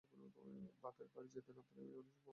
বাপের বাড়ি যেতে না পেলে মেয়েমানুষের মাথা বিগড়ে যায়।